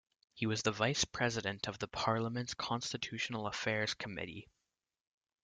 He was vice president of the Parliament's Constitutional Affairs Committee.